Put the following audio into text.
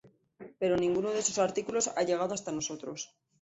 Pero ninguno de esos artículos ha llegado hasta nosotros.